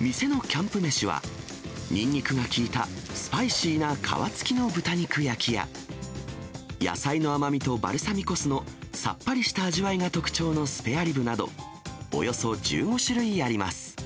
店のキャンプめしはニンニクが効いたスパイシーな皮付きの豚肉焼きや、野菜の甘みとバルサミコ酢のさっぱりした味わいが特徴のスペアリブなど、およそ１５種類あります。